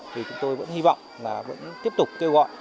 vì vậy chúng tôi vẫn hy vọng là vẫn tiếp tục kêu gọi